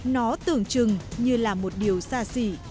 nó tưởng chừng như là một điều xa xỉ